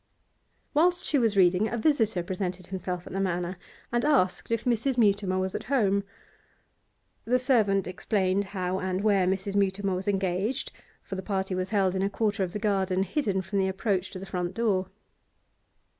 Whilst she was reading a visitor presented himself at the Manor, and asked if Mrs. Mutimer was at home. The servant explained how and where Mrs. Mutimer was engaged, for the party was held in a quarter of the garden hidden from the approach to the front door.